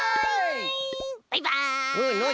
バイバイ！